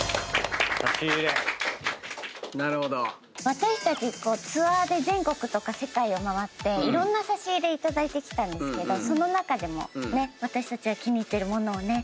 私たちツアーで全国とか世界を回っていろんな差し入れ頂いてきたんですがその中でも私たちが気に入ってる物をね。